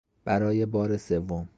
برای بار سوم